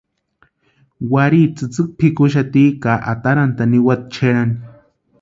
Warhiti tsïtsïki pʼikuxati ka atarantʼani niwati Cherani.